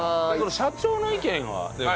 社長の意見はでも。